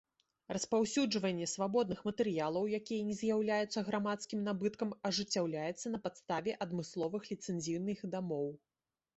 Распаўсюджванне свабодных матэрыялаў, якія не з'яўляюцца грамадскім набыткам, ажыццяўляецца на падставе адмысловых ліцэнзійных дамоў.